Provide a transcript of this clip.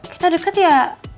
kita deket ya